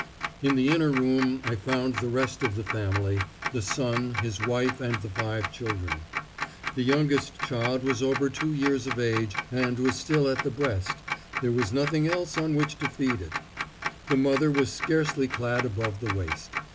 In the inner room I found the rest of the family—the son, his wife and the five children. The youngest child was over two years of age and was still at the breast—there was nothing else on which to feed it. The mother was scarcely clad above the waist.